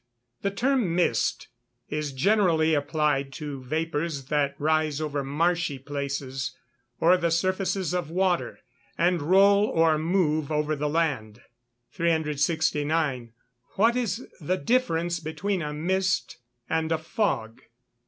_ The term mist is generally applied to vapours that rise over marshy places, or the surfaces of water, and roll or move over the land. 369. _What is the difference between a mist and a fog?